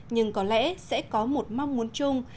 nhưng có lẽ sẽ có một mong muốn chung